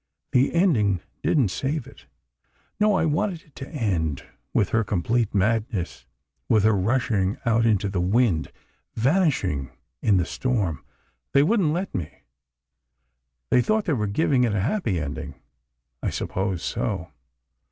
The ending didn't save it." "No. I wanted it to end with her complete madness ... with her rushing out into the wind ... vanishing in the storm. They wouldn't let me." "They thought they were giving it a happy ending." "I suppose so."